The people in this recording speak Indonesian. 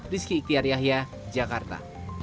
rizky iktiar yahya jakarta